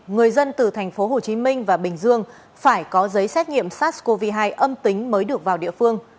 người dân từ thành phố hồ chí minh và bình dương phải có giấy xét nghiệm sars cov hai âm tính mới được vào địa phương